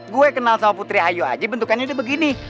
gue kenal sama putri ayu aja bentukannya udah begini